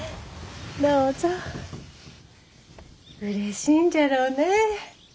うれしいんじゃろうねえ。